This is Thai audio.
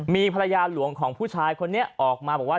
มีภรรยาหลวงของผู้ชายคนนี้ออกมาบอกว่า